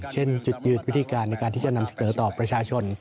เช่นจุดยืนวิธีการในการที่จะนำเสนอต่อประชาชน